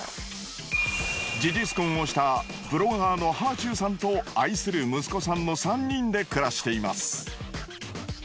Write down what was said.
事実婚をしたブロガーのはあちゅうさんと愛する息子さんの３人で暮らしています。